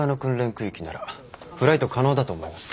空域ならフライト可能だと思います。